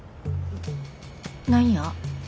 何や？